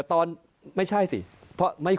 ก่อนไม่ใช่จริง